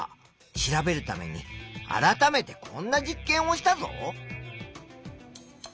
調べるために改めてこんな実験をしたぞ。